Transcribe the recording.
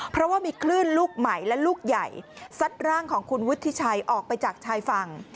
เพราะว่ามีคลื่นลูกใหม่และลูกใหญ่ซัดร่างของคุณวุฒิชัยออกไปจากชายฝั่ง